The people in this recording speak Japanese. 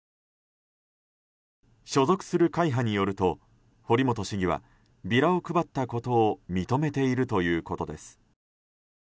所属する会派によると堀本市議はビラを配ったことを認めているということです。